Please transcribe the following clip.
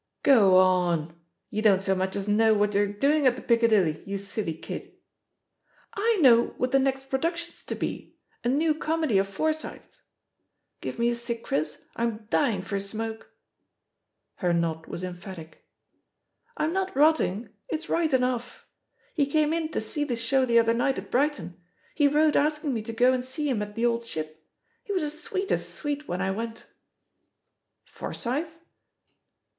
"Go onl you don't so much as know wha£ they're doing at the Piccadilly, you silly kidl" "I know what the next production's to THE POSITION OF PEGGY HARPER ««1 new comedy of Forsyth's. Give me a cig, Chris, I'm dying for a smoke/' Her nod was emphatic. 'Tm not rotting — ^it's right enough. He came in to see the show the other night at Brighton; he wrote asking me to go and see him at the Old Ship ; he was as sweet as sweet when I went." "Forsyth?"